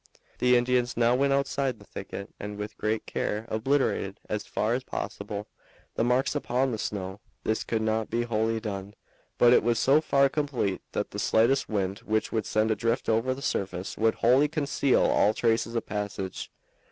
The Indians now went outside the thicket and with great care obliterated, as far as possible, the marks upon the snow. This could not be wholly done, but it was so far complete that the slightest wind which would send a drift over the surface would wholly conceal all traces of passage.